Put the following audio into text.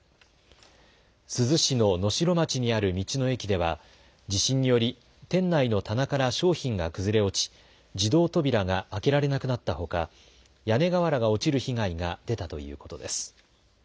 珠洲市の狼煙町にある道の駅では地震により店内の棚から商品が崩れ落ち、自動扉が開けられなくなったほか屋根瓦が落ちる被害が出たということです。